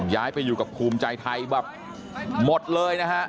ย้ายไปอยู่กับภูมิใจไทยแบบหมดเลยนะฮะ